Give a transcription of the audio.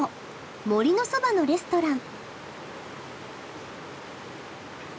森のそばのレストラン。